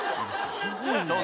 すごいな。